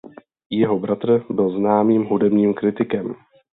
Jeho bratr byl známým hudebním kritikem.